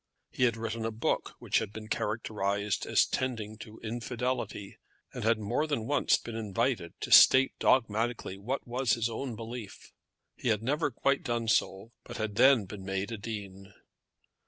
He had written a book which had been characterised as tending to infidelity, and had more than once been invited to state dogmatically what was his own belief. He had never quite done so, and had then been made a dean.